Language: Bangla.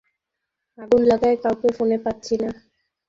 আগুন লাগায় কাউকে ফোনে পাচ্ছি না।